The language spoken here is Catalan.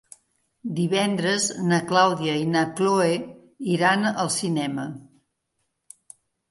Divendres na Clàudia i na Cloè iran al cinema.